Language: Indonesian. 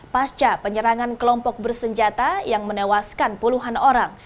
pasca penyerangan kelompok bersenjata yang menewaskan puluhan orang